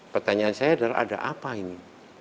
pertanyaan saya adalah ada apa ini